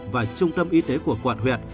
và trung tâm y tế của quản huyện